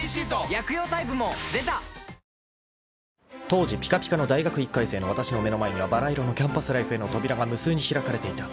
［当時ぴかぴかの大学一回生のわたしの目の前にはばら色のキャンパスライフへの扉が無数に開かれていた］